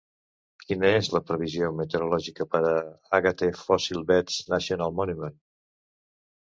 Quina és la previsió meteorològica per a Agate Fossil Beds National Monument?